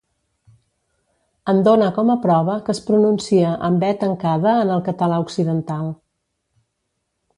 En dona com a prova que es pronuncia amb e tancada en el català occidental.